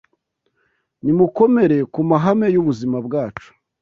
Nimukomere ku mahame y’ubuzima bwacu